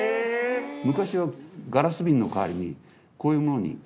昔はガラス瓶の代わりにこういうものに薬を入れて。